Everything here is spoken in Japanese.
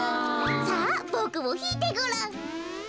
さあボクもひいてごらん。